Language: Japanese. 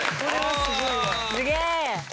すげえ！